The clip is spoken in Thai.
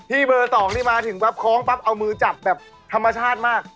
เบอร์๒นี่มาถึงปั๊บคล้องปั๊บเอามือจับแบบธรรมชาติมาก